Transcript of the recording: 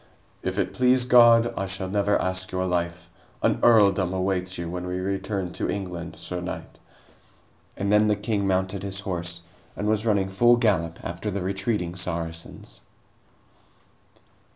"If it please God, I shall never ask your life. An earldom awaits you when we return to England, sir knight." And then the king mounted his horse and was running full gallop after the retreating Saracens.